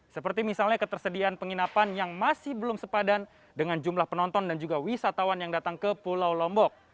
seperti misalnya ketersediaan penginapan yang masih belum sepadan dengan jumlah penonton dan juga wisatawan yang datang ke pulau lombok